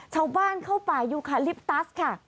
ชาวบ้านเข้าป่ายูคาลิปตัสค่ะ